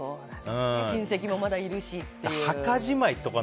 親戚もまだいるしという。